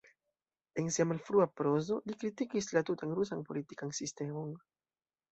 En sia malfrua prozo, li kritikis la tutan rusan politikan sistemon.